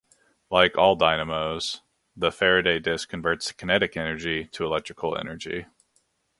Like all dynamos, the Faraday disc converts kinetic energy to electrical energy.